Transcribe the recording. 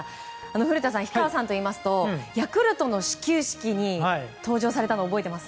古田さん、氷川さんといいますとヤクルトの始球式に登場されたの覚えてます？